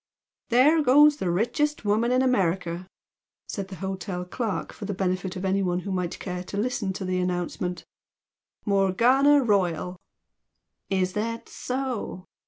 "There goes the richest woman in America!" said the hotel clerk for the benefit of anyone who might care to listen to the announcement, "Morgana Royal!" "Is that so?"